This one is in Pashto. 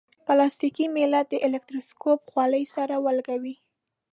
پلاستیکي میله د الکتروسکوپ خولې سره ولګوئ.